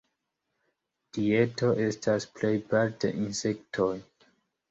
Dieto estas plejparte insektoj.